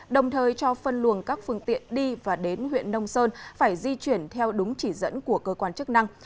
đồng thời cho phân luồng các phương tiện đi và đến huyện nông sơn phải di chuyển theo đúng chỉ dẫn của cơ quan chức năng